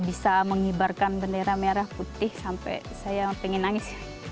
bisa mengibarkan bendera merah putih sampai saya pengen nangis